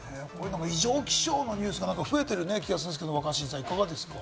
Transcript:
異常気象のニュースが増えてる気がするんですけれども、若新さん。